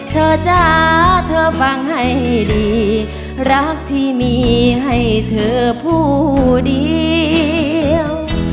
จ้าเธอฟังให้ดีรักที่มีให้เธอผู้เดียว